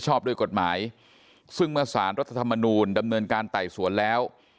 ชอบด้วยกฎหมายซึ่งเมื่อสารรัฐธรรมนูลดำเนินการไต่สวนแล้ว